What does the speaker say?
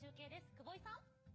久保井さん。